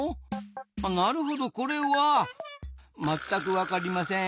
あなるほどこれはまったくわかりません。